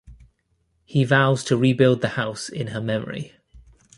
He vows to rebuild the house in her memory.